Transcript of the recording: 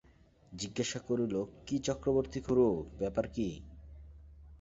জিজ্ঞাসা করিল, কী চক্রবর্তী-খুড়ো, ব্যাপার কী?